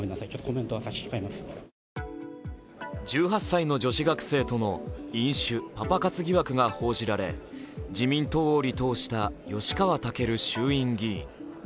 １８歳の女子学生との飲酒・パパ活疑惑が報じられ、自民党を離党した吉川赳衆院議員。